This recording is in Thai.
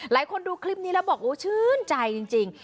ดูคลิปนี้แล้วบอกโอ้ชื่นใจจริง